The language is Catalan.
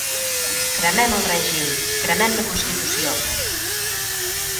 Cremem el règim, cremem la constitució!